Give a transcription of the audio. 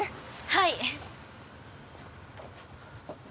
はい。